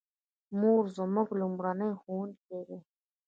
مور زموږ لومړنۍ ښوونکې ده